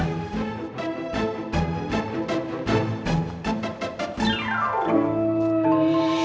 silakan pak komar